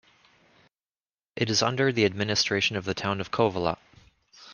It is under the administration of the town of Kouvola.